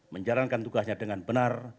menjalankan tugasnya dengan benar